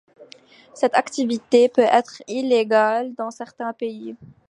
Cette activité peut être illégale dans certains pays.